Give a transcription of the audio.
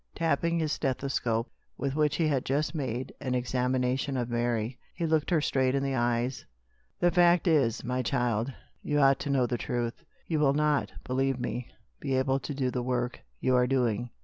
Tapping his stethoscope, with which he had just made an examination of Mary, he looked her straight in the eyes. " The fact is, my child, you ought to know the truth. You will not, believe me, be able to do the work you are doing.